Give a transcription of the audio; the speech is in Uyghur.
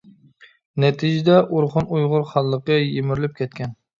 نەتىجىدە ئورخۇن ئۇيغۇر خانلىقى يىمىرىلىپ كەتكەن.